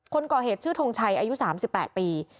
คนก่อเหตุชื่อทงชัยอายุ๓๘ปี